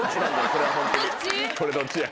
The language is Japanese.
これどっちや。